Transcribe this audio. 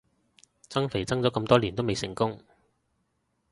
增肥增咗咁多年都未成功